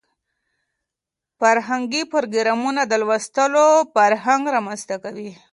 فرهنګي پروګرامونه د لوستلو فرهنګ رامنځته کوي.